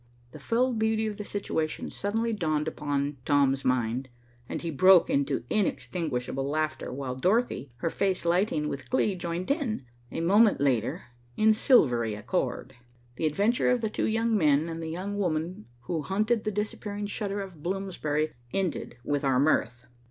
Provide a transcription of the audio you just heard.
The full beauty of the situation suddenly dawned upon Tom's mind, and he broke into inextinguishable laughter while Dorothy, her face lighting with glee, joined in, a moment later, in silvery accord. The adventure of the two young men and the young woman who hunted the disappearing shutter of Bloomsbury ended with our mirth.